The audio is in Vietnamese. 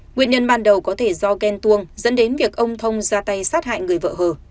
nguyên nhân ban đầu có thể do ghen tuông dẫn đến việc ông thông ra tay sát hại người vợ hờ